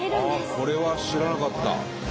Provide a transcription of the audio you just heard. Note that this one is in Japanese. これは知らなかった。